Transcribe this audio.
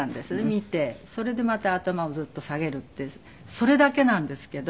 見てそれでまた頭をずっと下げるってそれだけなんですけど。